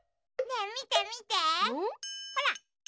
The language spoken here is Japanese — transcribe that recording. ねえみてみてほら。